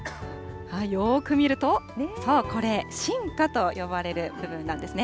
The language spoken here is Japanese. よーく見ると、そうこれ、真花と呼ばれる部分なんですね。